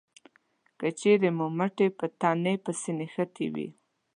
که چېرې مو مټې په تنې پسې نښتې وي